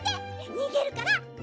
にげるから。